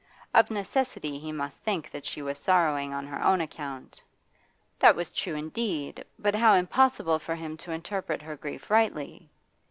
Of necessity he must think that she was sorrowing on her own account. That was true, indeed, but how impossible for him to interpret her grief rightly?